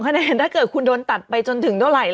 ๑๒คะแนนถ้าเกิดคุณโดนตัดไปจนถึงเท่าไหร่แล้ว